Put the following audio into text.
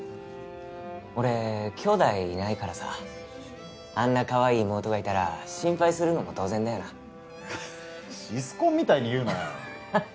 俺きょうだいいないからさあんなカワイイ妹がいたら心配するのも当然だよなシスコンみたいに言うなよ